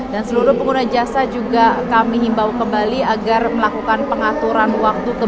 dan seluruh pengguna jasa juga kami himbau kembali agar melakukan pengaturan waktu kembali